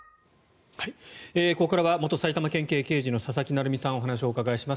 ここからは元埼玉県警刑事の佐々木成三さんにお話をお伺いします。